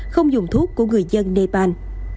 không dùng thuốc của người dân nepal